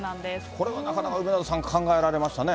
これはなかなか梅沢さん、考えられましたね。